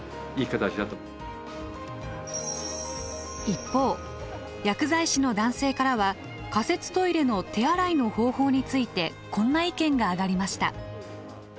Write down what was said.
一方薬剤師の男性からは仮設トイレの手洗いの方法についてこんな意見があがりました。